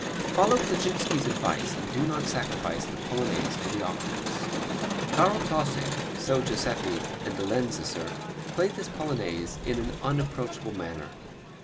Follow Kleczynski's advice and do not sacrifice the Polonaise to the octaves. Karl Tausig, so Joseffy and de Lenz assert, played this Polonaise in an unapproachable manner.